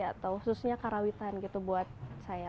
atau khususnya karawitan gitu buat saya